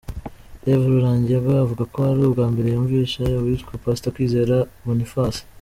Rev Rurangirwa avuga ko ari ubwa mbere yumvise uwitwa Pastor Kwizera Boniface .